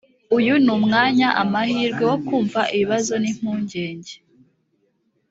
uyu ni umwanya amahirwe wo kumva ibibazo n impungenge